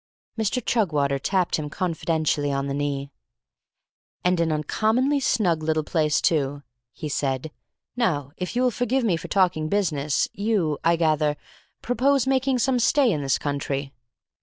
Mr. Chugwater tapped him confidentially on the knee. "And an uncommonly snug little place, too," he said. "Now, if you will forgive me for talking business, you, I gather, propose making some stay in this country."